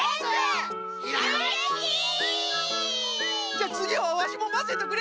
じゃあつぎはワシもまぜとくれ！